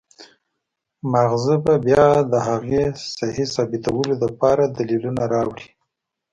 مازغه به بيا د هغې سهي ثابتولو د پاره دليلونه راوړي